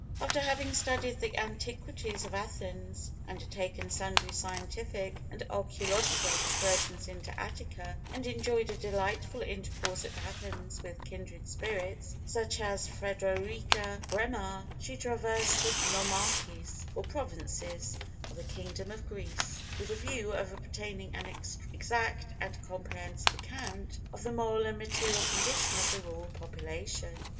After having studied the antiquities of Athens, undertaken sundry scientific and archæological excursions into Attica, and enjoyed a delightful intercourse at Athens with kindred spirits such as Frederika Bremer she traversed the nomarchies, or provinces, of the kingdom of Greece, with the view of obtaining an exact and comprehensive account of the moral and material condition of the rural population.